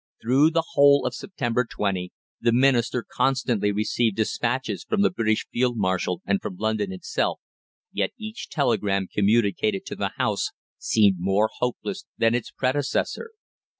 Through the whole of September 20 the Minister constantly received despatches from the British Field Marshal and from London itself, yet each telegram communicated to the House seemed more hopeless than its predecessor.